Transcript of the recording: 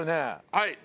はい。